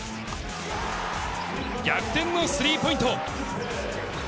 逆転のスリーポイント。